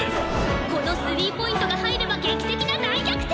この３ポイントが入れば劇的な大逆転！